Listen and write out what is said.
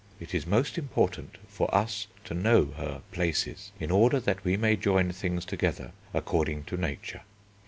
It is most important for us to know her 'places' ... in order that we may join things together according to Nature."